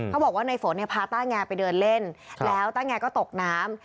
เขาบอกว่าในฝนเนี่ยพาต้าแงไปเดินเล่นแล้วต้าแงก็ตกน้ำ